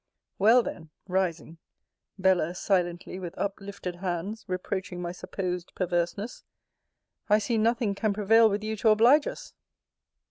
Well then, rising, (Bella silently, with uplifted hands, reproaching my supposed perverseness,) I see nothing can prevail with you to oblige us.